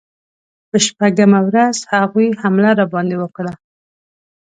په شپږمه ورځ هغوی حمله راباندې وکړه.